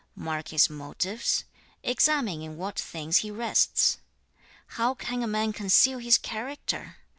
2. 'Mark his motives. 3. 'Examine in what things he rests. 4. 'How can a man conceal his character?